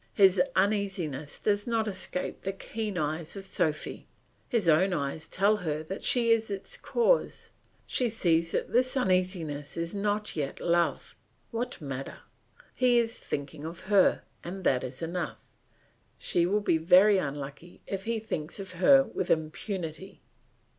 His uneasiness does not escape the keen eyes of Sophy; his own eyes tell her that she is its cause; she sees that this uneasiness is not yet love; what matter? He is thinking of her, and that is enough; she will be very unlucky if he thinks of her with impunity.